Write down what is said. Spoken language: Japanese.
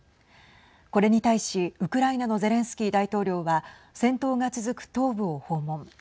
これに対し、ウクライナのゼレンスキー大統領は戦闘が続く東部を訪問。